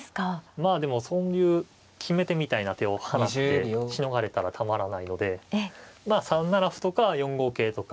まあでもそういう決め手みたいな手を放ってしのがれたらたまらないのでまあ３七歩とか４五桂とか。